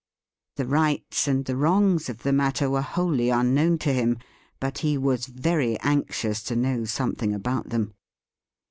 The rights and the wrongs of the matter were wholly un jirliawn to him ;. but* "he was' very anxious to know some thing about them.